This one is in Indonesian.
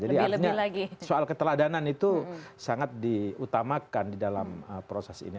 jadi artinya soal keteladanan itu sangat diutamakan di dalam proses ini